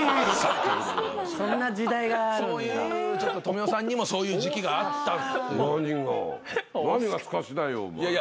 富美男さんにもそういう時期があった。